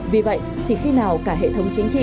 vì vậy chỉ khi nào cả hệ thống truyền thông